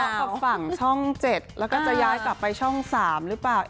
กับฝั่งช่อง๗แล้วก็จะย้ายกลับไปช่อง๓หรือเปล่า